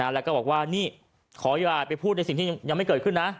แล้วก็บอกว่านี่ขออย่าไปพูดในสิ่งที่ยังไม่เกิดขึ้นนะ